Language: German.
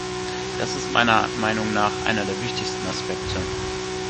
Das ist meiner Meinung nach einer der wichtigsten Aspekte.